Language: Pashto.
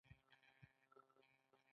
فزیک او ریاضي سره تړلي دي.